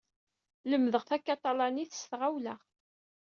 Lemdeɣ takatalanit s tɣawla.